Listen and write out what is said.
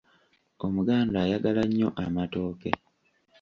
Omuganda ayagala nnyo amatooke.